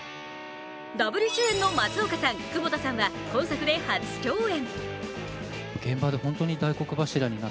ダブル主演の松岡さん、窪田さんは今作で初共演。